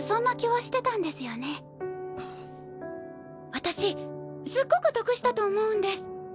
私すっごく得したと思うんです。